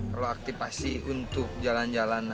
perlu aktifasi untuk jalan jalan